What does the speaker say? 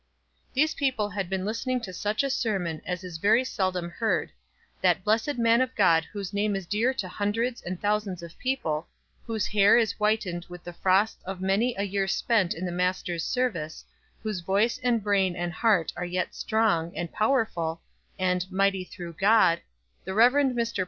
These people had been listening to such a sermon as is very seldom heard that blessed man of God whose name is dear to hundreds and thousands of people, whose hair is whitened with the frosts of many a year spent in the Master's service, whose voice and brain and heart are yet strong, and powerful, and "mighty through God," the Rev. Mr.